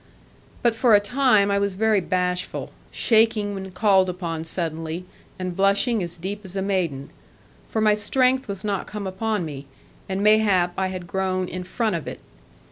But for a time I was very bashful, shaking when called upon suddenly, and blushing as deep as a maiden; for my strength was not come upon me, and mayhap I had grown in front of it.